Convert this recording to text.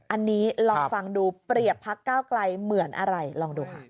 อันนี้ลองฟังดูเปรียบพักก้าวไกลเหมือนอะไรลองดูค่ะ